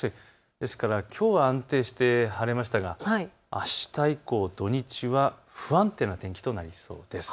ですからきょうは安定して晴れましたがあした以降、土日は不安定な天気となりそうです。